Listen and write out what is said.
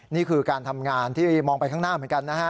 นี่คือการทำงานที่มองไปข้างหน้าเหมือนกันนะฮะ